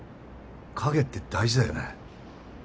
影って大事だよね。